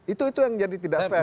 itu yang jadi tidak fair